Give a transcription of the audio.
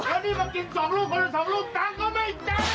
แล้วนี่ก็กิน๒ลูกคนละ๒ลูกตังค์ก็ไม่จำ